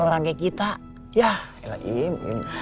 orang kayak kita yah elahim